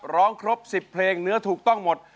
ร้องครบ๑๐เพลงเนื้อถูกต้องหมด